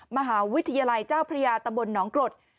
มหาวิทยาลัยเจ้าพระยาตำบลหนองกรด